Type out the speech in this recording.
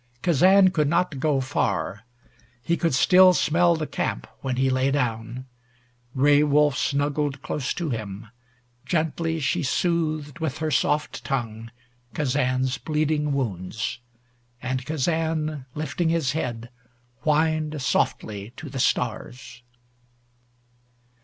Kazan could not go far. He could still smell the camp when he lay down. Gray Wolf snuggled close to him. Gently she soothed with her soft tongue Kazan's bleeding wounds. And Kazan, lifting his head, whined softly to the stars.